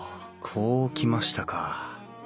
こうきましたか。